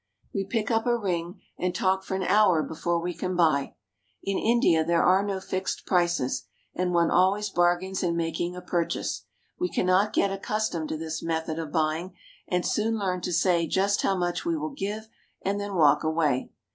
We pick up a ring, and talk for an hour before we can buy. In India there are no fixed prices, and one always bargains in making a purchase. We cannot get accus tomed to this method of buying, and soon learn to say just how much we will give, and then walk away.